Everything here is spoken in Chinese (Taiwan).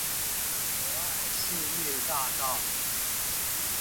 博愛世運大道